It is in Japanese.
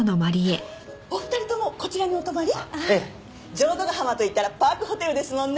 浄土ヶ浜といったらパークホテルですもんね。